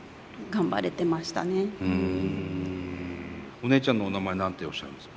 お姉ちゃんのお名前何ておっしゃるんですか？